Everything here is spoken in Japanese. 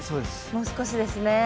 もう少しですね。